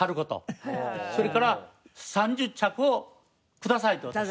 それから３０着をくださいと私に。